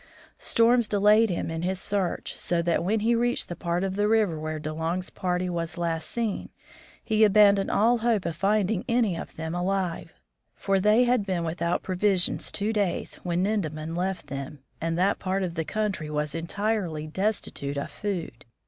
Storms delayed him in his So THE FROZEN NORTH search, so that when he reached the part of the river where De Long's party was last seen, he abandoned all hope of finding any of them alive, for they had been without pro visions two days when Nindemann left them, and that part of the country was entirely destitute of food.